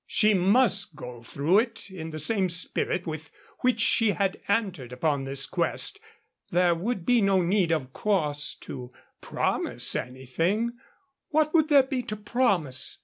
she must go through it in the same spirit with which she had entered upon this quest. There would be no need, of course, to promise anything (what would there be to promise?)